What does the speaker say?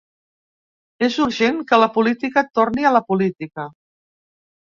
És urgent que la política torni a la política.